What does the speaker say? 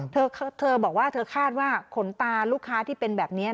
เธอบอกว่าเธอคาดว่าขนตาลูกค้าที่เป็นแบบนี้